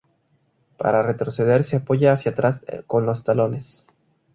Para retroceder, se apoya hacia atrás con los talones.